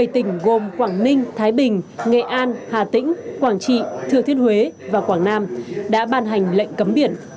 bảy tỉnh gồm quảng ninh thái bình nghệ an hà tĩnh quảng trị thừa thiên huế và quảng nam đã bàn hành lệnh cấm biển